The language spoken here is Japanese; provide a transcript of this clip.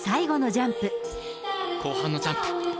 後半のジャンプ。